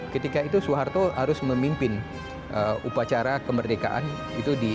ketika itu soeharto harus memimpin upacara kemerdekaan itu di